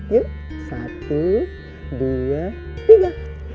yuk satu dua tiga